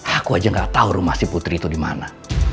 aku aja gak tau rumah si putri itu dimana